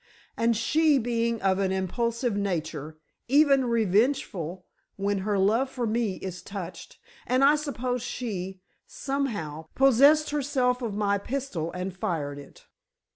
—and she being of an impulsive nature, even revengeful when her love for me is touched, and I suppose she, somehow, possessed herself of my pistol and fired it."